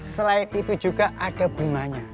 selain itu juga ada bunganya